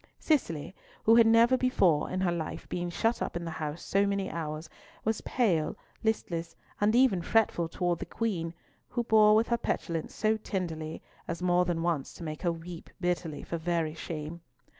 Cicely, who had never before in her life been shut up in the house so many hours, was pale, listless, and even fretful towards the Queen, who bore with her petulance so tenderly as more than once to make her weep bitterly for very shame.